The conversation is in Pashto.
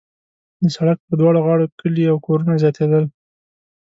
د سړک پر دواړو غاړو کلي او کورونه زیاتېدل.